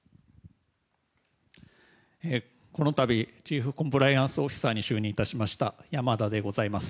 このたび、チーフコンプライアンスオフィサーに就任いたしました山田でございます。